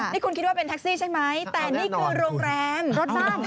นี่คุณคิดว่าเป็นแท็กซี่ใช่ไหมแต่นี่คือโรงแรมรถล่ำอ้าแน่นอนคุณ